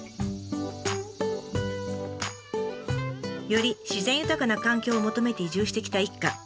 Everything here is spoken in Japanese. より自然豊かな環境を求めて移住してきた一家。